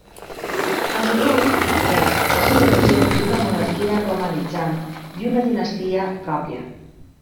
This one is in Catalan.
Agilulf, de fet, va ser l'origen d'una monarquia romanitzant i una dinastia pròpia.